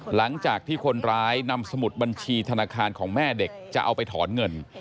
หลังจากที่คนร้ายนำสมุดบัญชีธนาคารของแม่เด็กจะเอาไปถอนเงิน